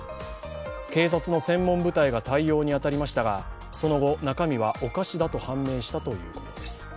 警察の専門舞台が対応に当たりましたが、その後、中身はお菓子だと判明したということです。